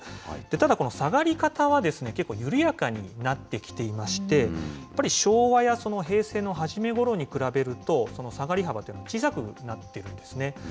ただ、この下がり方は、結構緩やかになってきていまして、やっぱり昭和や平成の初めごろに比べると、その下がり幅というのは小さくなっているんですね。